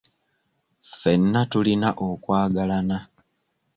Ffenna tulina okwagalana.